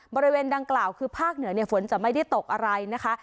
บริเวณดังกล่าวคือภาคเหนือฝนจะไม่ได้ตกอะไรนะคะ